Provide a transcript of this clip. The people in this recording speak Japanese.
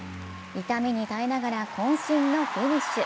痛みに耐えながらこん身のフィニッシュ。